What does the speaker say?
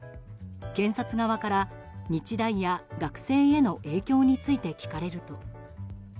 検察側から日大や学生への影響について聞かれると。